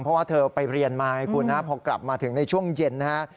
เพราะว่าเธอไปเรียนมาไงคุณนะพอกลับมาถึงในช่วงเย็นนะฮะ